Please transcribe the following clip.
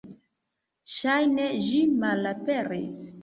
Ŝajne ĝi malaperis.